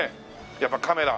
やっぱカメラ。